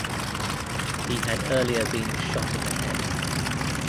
He had earlier been shot in the head.